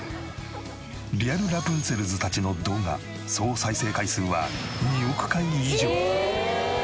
リアルラプンツェルズたちの動画総再生回数は２億回以上。